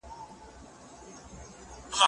زه مخکي اوبه ورکړي وې،